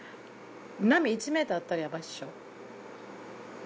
波１メートルあったらやばいでしょ？